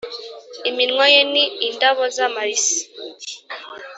Iminwa ye ni indabo z’amalisi,